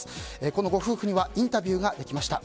このご夫婦にはインタビューができました。